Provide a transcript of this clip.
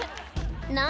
「何？